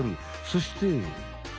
そして。